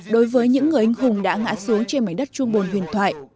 đối với những người anh hùng đã ngã xuống trên mảnh đất trung bồn huyền thoại